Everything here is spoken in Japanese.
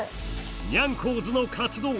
ニャンコーズの活動